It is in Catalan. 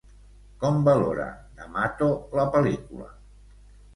Com valora D'Amato la pel·lícula?